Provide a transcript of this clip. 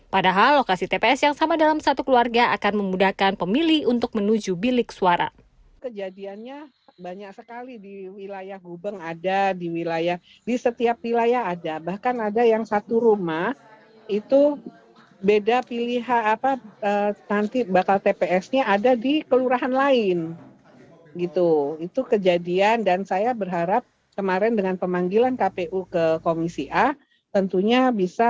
padahal lokasi tps yang sama dalam satu keluarga akan memudahkan pemilih untuk menuju bilik suara